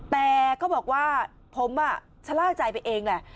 แต่เขาบอกว่าผมชะล่าใจไปเองแหละ